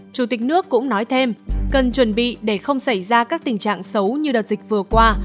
chủ tịch nước cũng nói thêm cần chuẩn bị để không xảy ra các tình trạng xấu như đợt dịch vừa qua